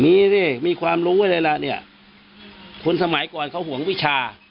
มีสิมีความรู้ไว้เลยล่ะเนี่ยคนสมัยก่อนเขาห่วงวิชา